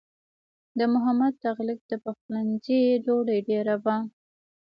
د محمد تغلق د پخلنځي ډوډۍ ډېره وه.